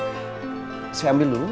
cilok cihoyama lima ratusan